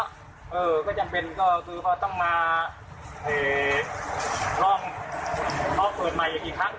เออก็จำเป็นก็คือเขาต้องมาลองเขาเปิดใหม่อีกกี่ครั้ง